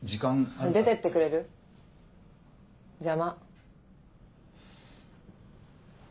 出てってくれる？邪魔。